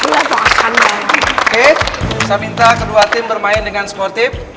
saya minta kedua tim bermain dengan sportif